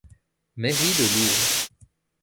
Mairie de Lourdes.